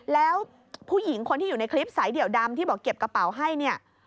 แล้วผู้หญิงคนที่อยู่ในคลิปสายเดี่ยวดำที่บอกเก็บกระเป๋าให้เนี่ย